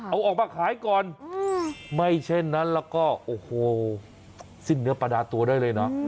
เอาออกมาขายก่อนไม่เช่นนั้นแล้วก็โอ้โหสิ้นเนื้อประดาตัวได้เลยเนอะ